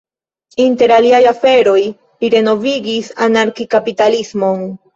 Inter aliaj aferoj, li renovigis anarki-kapitalismon.